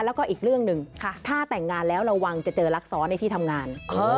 แล้วก็อีกเรื่องหนึ่งถ้าแต่งงานแล้วระวังจะเจอรักซ้อนในที่ทำงาน